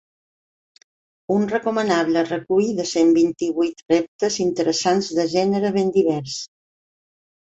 Un recomanable recull de cent vint-i-vuit reptes interessants de gènere ben divers.